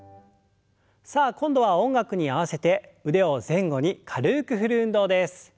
さあ今度は音楽に合わせて腕を前後に軽く振る運動です。